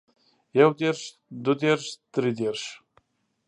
يو دېرش دوه دېرش درې دېرش